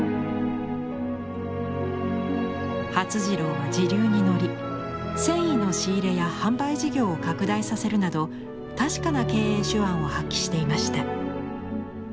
發次郎は時流に乗り繊維の仕入れや販売事業を拡大させるなど確かな経営手腕を発揮していました。